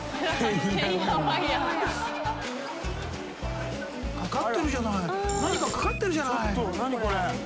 何かかかってるじゃない。